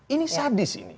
ini sadis ini